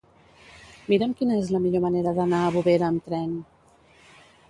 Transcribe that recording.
Mira'm quina és la millor manera d'anar a Bovera amb tren.